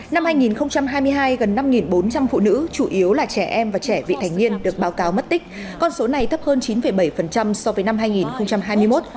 năm hai nghìn hai mươi hai gần năm bốn trăm linh phụ nữ chủ yếu là trẻ em và trẻ vị thành niên được báo cáo mất tích con số này thấp hơn chín bảy so với năm hai nghìn hai mươi một